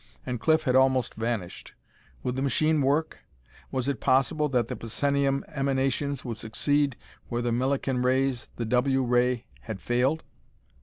And Cliff had almost vanished. Would the machine work? Was it possible that the psenium emanations would succeed where the Millikan rays, the W ray had failed?